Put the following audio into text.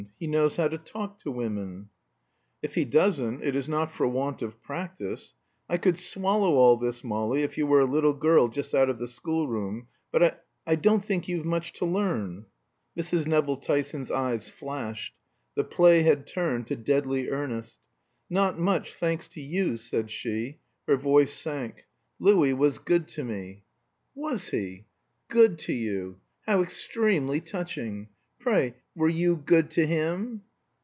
He knows how to talk to women." "If he doesn't it is not for want of practice. I could swallow all this, Molly, if you were a little girl just out of the schoolroom; but I don't think you've much to learn." Mrs. Nevill Tyson's eyes flashed. The play had turned to deadly earnest. "Not much, thanks to you," said she. Her voice sank. "Louis was good to me." "Was he? 'Good' to you How extremely touching! Pray, were you good to him?"